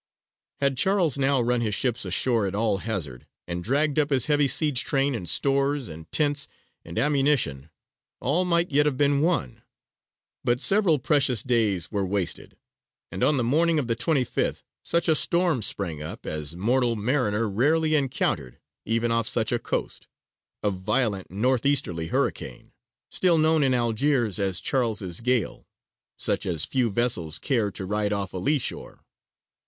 Had Charles now run his ships ashore at all hazard, and dragged up his heavy siege train and stores and tents and ammunition, all might yet have been won. But several precious days were wasted, and on the morning of the 25th such a storm sprang up as mortal mariner rarely encountered even off such a coast a violent north easterly hurricane still known in Algiers as "Charles's gale" such as few vessels cared to ride off a lee shore.